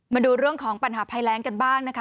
มาดูเรื่องของปัญหาภัยแรงกันบ้างนะคะ